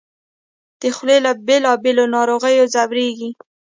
د خولې له بېلابېلو ناروغیو ځورېږي